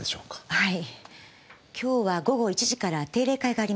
はい。